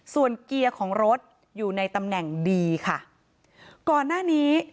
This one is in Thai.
ส่วนเกียร์ของรถอยู่ในตำแหน่งดีค่ะก่อนหน้านี้